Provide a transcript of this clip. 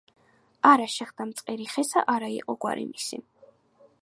არა შეხდა მწყერი ხესა, არა იყო გვარი მისი